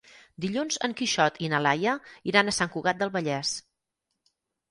Dilluns en Quixot i na Laia iran a Sant Cugat del Vallès.